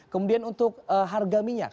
kemudian untuk harga minyak